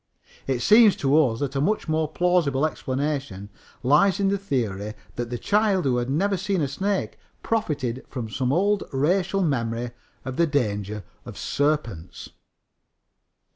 It seems to us that a much more plausible explanation lies in the theory that this child who had never seen a snake profited from some old racial memory of the danger of serpents.